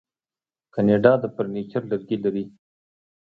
کاناډا د فرنیچر لرګي لري.